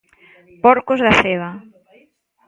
Porcos da ceba.